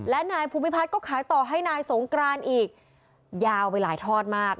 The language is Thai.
และนายภูมิพัฒน์ก็ขายต่อให้นายสงกรานอีกยาวไปหลายทอดมาก